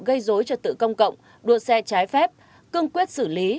gây dối trật tự công cộng đua xe trái phép cương quyết xử lý